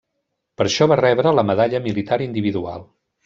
Per això va rebre la Medalla Militar Individual.